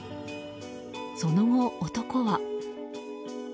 その後、男は。